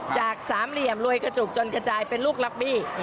จากสามเหลี่ยมโรยกระจุกจนกระจายเป็นลูกล็อบบี้